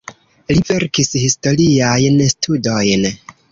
Li verkis historiajn studojn.